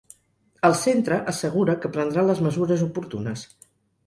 El centre assegura que prendrà les ‘mesures oportunes’.